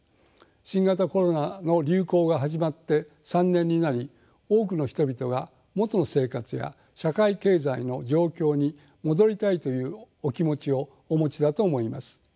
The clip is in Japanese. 新型コロナの流行が始まって３年になり多くの人々が元の生活や社会経済の状況に戻りたいというお気持ちをお持ちだと思います。